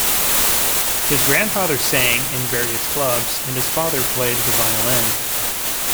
His grandfather sang in various clubs and his father played the violin.